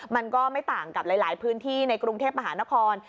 มันก็ไม่ต่างกับหลายพื้นที่ในกรุงเทพมหานคร